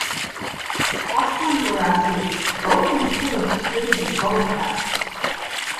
Fossil and Veracity both include distributed bug trackers.